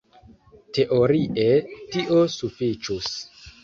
Teorie tio sufiĉus.